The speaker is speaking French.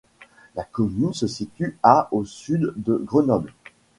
La commune se situe à au sud de Grenoble.